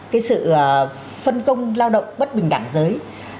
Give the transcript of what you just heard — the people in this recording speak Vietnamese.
cái sự phân công lao động bất bình đẳng giới